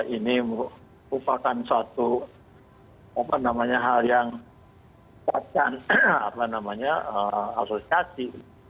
ini merupakan suatu hal yang kuatkan asosiasi